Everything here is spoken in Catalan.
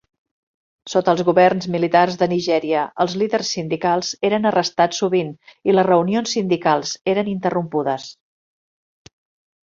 Sota els governs militars de Nigèria, els líders sindicals eren arrestats sovint i les reunions sindicals eren interrompudes.